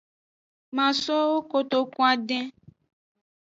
Masowo koto adin.